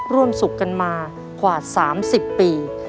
ร่วมศุกร์กันมาขวาด๓๐ปี